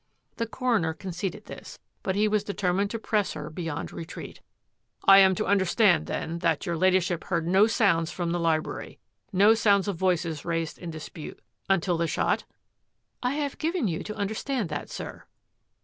The coroner conceded this, but he was deter mined to press her beyond retreat. " I am to understand then that your Ladyship heard no sounds from the library — no sound of voices raised in dispute — until the shot?" " I have given you to understand that, sir."